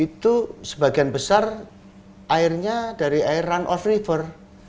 itu sebagian besar airnya dari air runoff river